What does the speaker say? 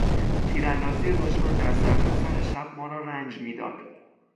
تیراندازی دشمن در سرتاسر شب ما را رنج میداد.